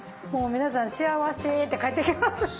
もう皆さん「幸せ」って帰っていきます。